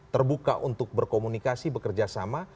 terbuka untuk berkomunikasi bekerja sama